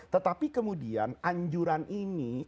tetapi kemudian anjuran ini